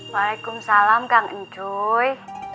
waalaikumsalam kang encuy